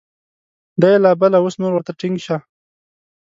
دا یې لا بله ، اوس نو ورته ټینګ شه !